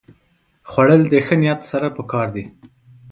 خوړل د ښه نیت سره پکار دي